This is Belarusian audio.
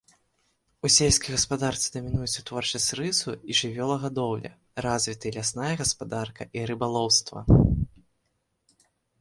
У сельскай гаспадарцы дамінуюць вытворчасць рысу і жывёлагадоўля, развіты лясная гаспадарка і рыбалоўства.